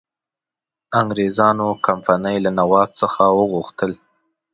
انګرېزانو کمپنی له نواب څخه وغوښتل.